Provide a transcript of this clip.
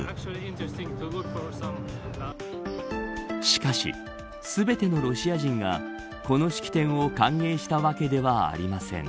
しかし、全てのロシア人がこの式典を歓迎したわけではありません。